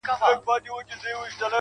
o زه چي الله څخه ښكلا په سجده كي غواړم.